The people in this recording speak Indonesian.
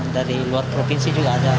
dari luar provinsi juga ada